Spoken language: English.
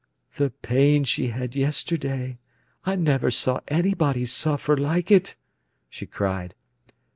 "The pain she had yesterday—I never saw anybody suffer like it!" she cried.